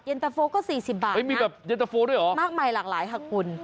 ยันเตอร์โฟก็๔๐บาทนะมีแบบยันเตอร์โฟด้วยหรอมากมายหลากหลายค่ะคุณ